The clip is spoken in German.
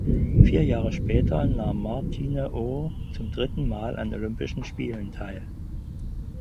Vier Jahre später nahm Martine Ohr zum dritten Mal an Olympischen Spielen teil.